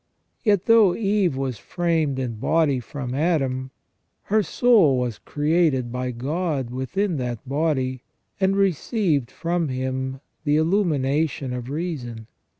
Yet though Eve was framed in body from Adam, her soul was created by God within that body, and received from Him the illumination of reason.